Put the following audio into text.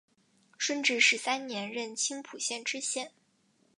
顺治十三年任青浦县知县。